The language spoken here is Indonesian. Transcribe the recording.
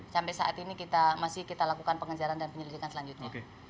sampai saat ini masih kita lakukan pengejaran dan penyelidikan selanjutnya